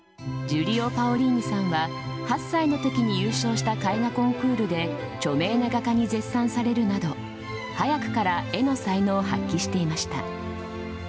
ジュリオ・パオリーニさんは８歳のときに優勝した絵画コンクールで著名な画家に絶賛されるなど、早くから絵の才能を発揮していました。